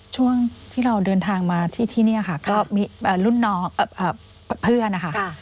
ช่วงที่เราเดินทางมาที่นี่ค่ะก็มีรุ่นน้องเพื่อนนะคะ